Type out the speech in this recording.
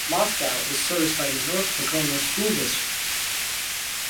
Moscow is serviced by the North Pocono School District.